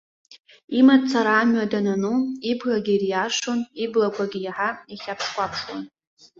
Имацара амҩа данану, ибӷагьы ириашон, иблақәагьы иаҳа ихьаԥш-кәаԥшуан.